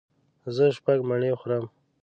زه شپږ مڼې خورم.